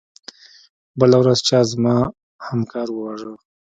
بله ورځ چا زما همکار وواژه.